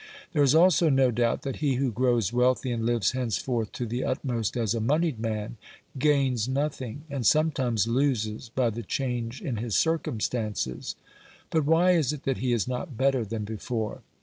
There is also no doubt that he who grows wealthy and lives hence forth to the utmost as a monied man, gains nothing, and sometimes loses by the change in his circumstances. But OBERMANN 113 why is it that he is not better than before